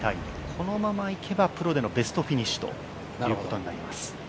このままいけばプロでのベストフィニッシュということになります。